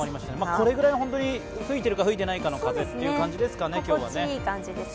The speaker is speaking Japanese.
これぐらいの吹いてるか吹いていないかの風という感じですかね、今日は。